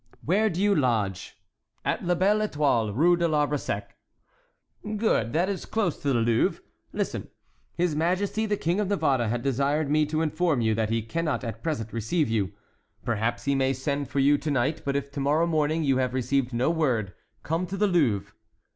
"Where do you lodge?" "At La Belle Étoile, Rue de l'Arbre Sec." "Good, that is close to the Louvre. Listen—his majesty the King of Navarre has desired me to inform you that he cannot at present receive you; perhaps he may send for you to night; but if to morrow morning you have received no word, come to the Louvre."